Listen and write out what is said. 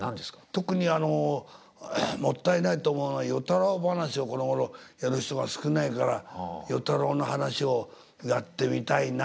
特にあのもったいないと思うのは与太郎噺をこのごろやる人が少ないから与太郎の噺をやってみたいなあ。